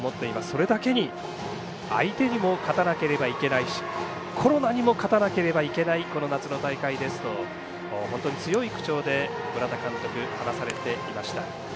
それだけに相手にも勝たなければいけないしコロナにも勝たなければいけないこの夏の大会ですと本当に強い口調で村田監督話されていました。